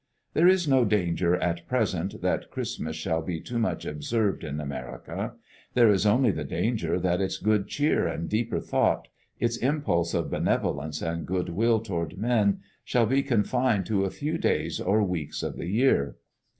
There is no danger at present that Christmas shall be too much observed in America: there is only the danger that its good cheer and deeper thought, its impulse of benevolence and good will toward men, shall be confined to a few days or weeks of the year.